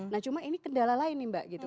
nah cuma ini kendala lain nih mbak gitu